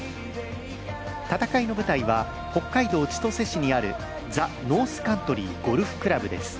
戦いの舞台は北海道千歳市にあるザ・ノースカントリーゴルフクラブです。